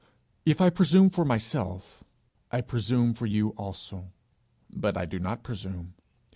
If I presume for myself, I presume for you also. But I do not presume.